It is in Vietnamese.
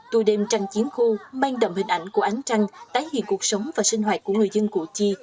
tua đêm trăng chiến khu mang đậm hình ảnh của ánh trăng tái hiện cuộc sống và sinh hoạt của người dân cụ chi